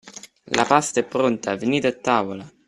La pasta è pronta, venite a tavola!